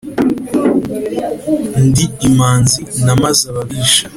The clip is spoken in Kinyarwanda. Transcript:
Ndi imanzi namaze ababisha,